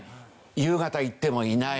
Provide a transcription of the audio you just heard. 夕方行ってもいない。